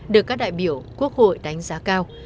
được các đại biểu quốc hội đánh giá cao